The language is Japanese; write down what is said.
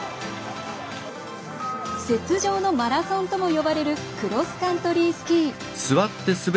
雪上のマラソンとも呼ばれるクロスカントリースキー。